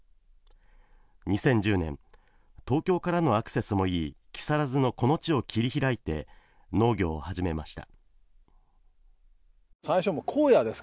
２０１０年東京からのアクセスもいい木更津の、この地を切り開いて農業を始めました。